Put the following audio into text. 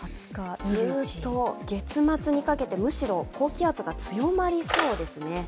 ずっと月末にかけて、むしろ高気圧が強まりそうですね。